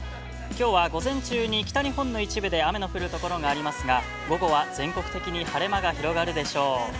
きょうは午前中に北日本の一部で雨の降るところがありますが午後は全国的に晴れ間が広がるでしょう。